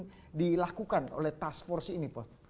apa yang dilakukan oleh task force ini